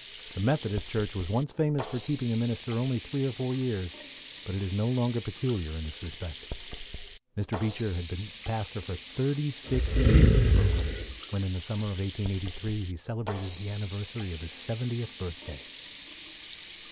The Methodist Church was once famous for keeping a minister only three or four years, but it is no longer peculiar in this respect. Mr. Beecher had been pastor for thirty six years in Brooklyn when, in the summer of 1883, he celebrated the anniversary of his seventieth birthday.